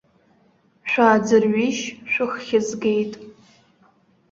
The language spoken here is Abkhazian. Шәааӡырҩишь, шәыххь згеит.